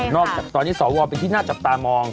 จากตอนนี้สวเป็นที่น่าจับตามอง